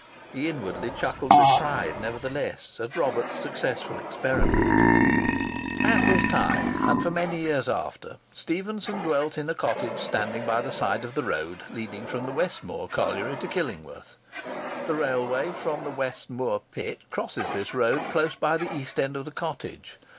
He inwardly chuckled with pride, nevertheless, at Robert's successful experiment. [Picture: Stephenson's Cottage, West Moor] At this time, and for many years after, Stephenson dwelt in a cottage standing by the side of the road leading from the West Moor colliery to Killingworth. The railway from the West Moor Pit crosses this road close by the east end of the cottage.